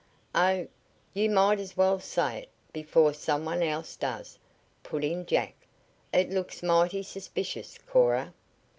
"Oh, you might as well say it before some one else does," put in Jack. "It looks mighty suspicious, Cora."